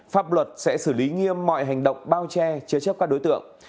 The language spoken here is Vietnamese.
pháp luật sẽ xử lý nghiêm mọi hành động bao che chế chấp các đối tượng